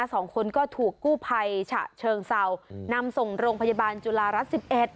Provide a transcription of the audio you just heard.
สองคนก็ถูกกู้ภัยฉะเชิงเศร้านำส่งโรงพยาบาลจุฬารัฐสิบเอ็ด